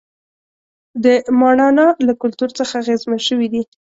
د ماڼانا له کلتور څخه اغېزمن شوي دي.